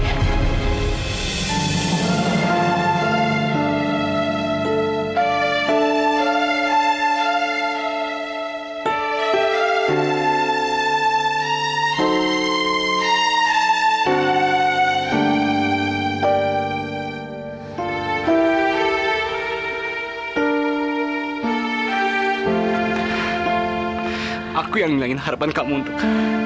aku yang hilangin harapan kamu untuk